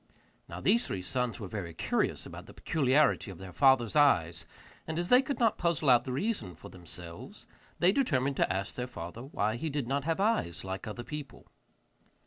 Now these three sons were very curious about the peculiarity of their father's eyes, and as they could not puzzle out the reason for themselves, they determined to ask their father why he did not have eyes like other people.